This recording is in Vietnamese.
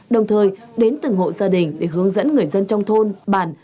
đồng thời đến từng hộ gia đình để hướng dẫn người dân trong thôn bản